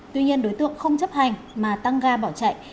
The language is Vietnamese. tuy nhiên đối tượng không chấp hành mà tăng ga bỏ chạy